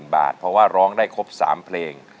บาทเพราะว่าร้องได้ครบ๓เพลง